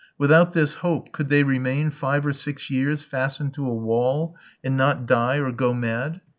Without this hope could they remain five or six years fastened to a wall, and not die or go mad?